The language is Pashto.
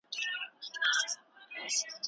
د قاضي معاش څو چنده ته رسېږې